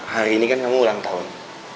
hari ini kan kamu ulang tahun